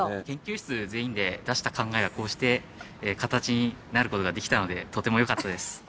研究室全員で出した考えがこうして形になる事ができたのでとてもよかったです。